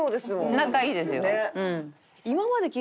仲いいですよ。